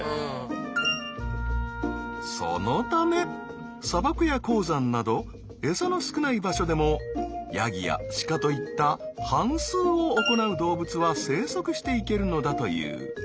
そのため砂漠や高山など餌の少ない場所でもヤギやシカといった反すうを行う動物は生息していけるのだという。